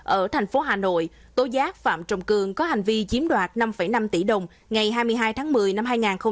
ở thành phố hà nội tối giác phạm trọng cường có hành vi chiếm đoạt năm năm tỷ đồng ngày hai mươi hai tháng một mươi năm hai nghìn hai mươi